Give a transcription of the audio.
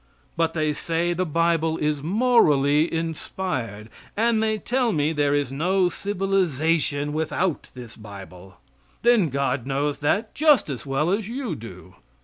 But they say the Bible is morally inspired; and they tell me there is no civilization without this Bible. Then God knows that just as well as you do.